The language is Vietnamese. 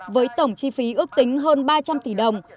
với tổng chi phí ước tính hơn ba trăm linh tỷ đồng